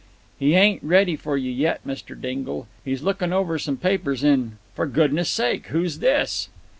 "He ain't ready for you yet, Mr. Dingle. He's lookin' over some papers in—for goodness' sake, who's this?"